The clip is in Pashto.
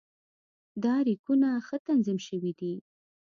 دا ریکونه ښه تنظیم شوي دي.